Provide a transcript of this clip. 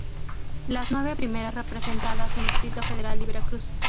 Las nueve primeras representadas en Distrito Federal y Veracruz.